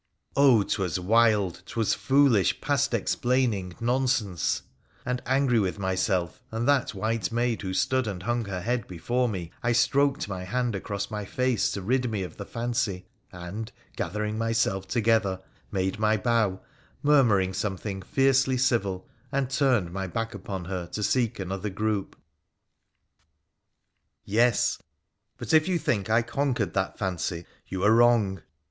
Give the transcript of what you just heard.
Oh ! 'twas wild, 'twas foolish, past explaining, nonsense : and, angry with myself and that white maid who stood and hung her head before me, I stroked my hand across my face to rid me of the fancy, and, gathering myself together, made my bow, murmuring something fiercely civil, and turned my back upon her to seek another group. Yes ; but if you think I conquered that fancy, you are wrong.